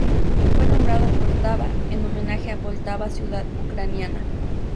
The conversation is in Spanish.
Fue nombrado Poltava en homenaje a Poltava ciudad ucraniana.